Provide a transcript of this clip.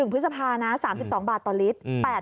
พฤษภานะ๓๒บาทต่อลิตร